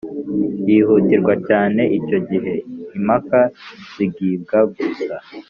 yihutirwa cyane Icyo gihe impaka zigibwa gusa